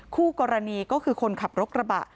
คู่กรณีก็คือคนขับรถกระบะ